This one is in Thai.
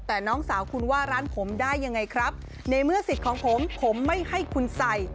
แต่น้องสาวคุณว่าร้านผมได้ยังไงครับในเมื่อสิทธิ์ของผมผมไม่ให้คุณใส่